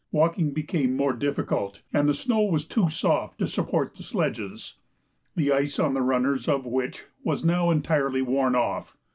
Walking became more difficult, and the snow was too soft to support the sledges, the ice on the runners of which was now entirely worn off.